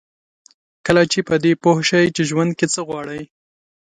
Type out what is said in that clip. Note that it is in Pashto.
کله چې په دې پوه شئ چې ژوند کې څه غواړئ.